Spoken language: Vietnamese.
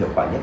hiệu quả nhất